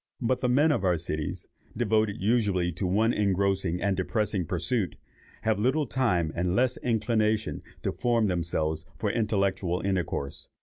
But the men of our cities, devoted usually to one engrossing and depressing pursuit, have little time and less inclination to form themselves for intellectual intercourse.